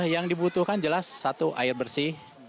yang dibutuhkan jelas satu air bersih